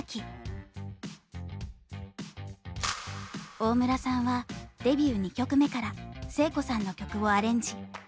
大村さんはデビュー２曲目から聖子さんの曲をアレンジ。